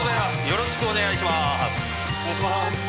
よろしくお願いします。